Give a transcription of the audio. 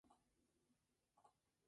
Está en proceso centro de día.